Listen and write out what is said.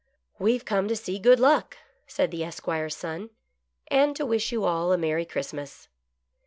" We've come to see Good Luck," said the Esquire's son, " and to wish you all a Merry Christmas."